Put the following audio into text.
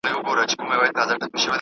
دا لوبه له هغه خوندوره ده!.